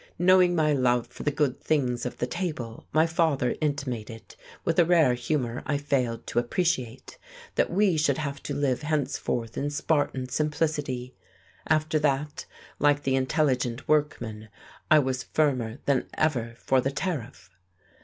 Knowing my love for the good things of the table, my father intimated, with a rare humour I failed to appreciate, that we should have to live henceforth in spartan simplicity. After that, like the intelligent workman, I was firmer than ever for the Tariff.